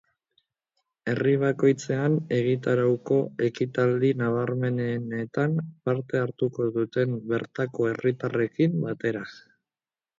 Herri bakoitzean, egitarauko ekitaldi nabarmenenetan parte hartuko dute bertako herritarrekin batera.